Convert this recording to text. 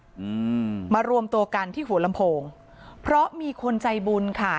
อืมมารวมตัวกันที่หัวลำโพงเพราะมีคนใจบุญค่ะ